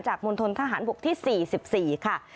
มณฑนทหารบกที่๔๔ค่ะ